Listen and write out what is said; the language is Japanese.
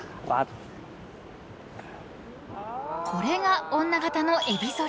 ［これが女形のえび反り］